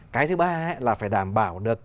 cái thứ ba là phải đảm bảo được